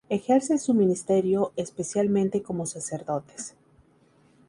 Ejercen su ministerio especialmente como sacerdotes.